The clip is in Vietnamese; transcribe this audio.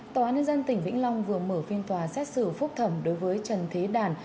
tòa án nhân dân tỉnh vĩnh long vừa mở phiên tòa xét xử phúc thẩm đối với trần thế đàn